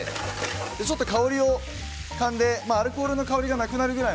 ちょっと香りを嗅いでアルコールの香りがなくなるくらい。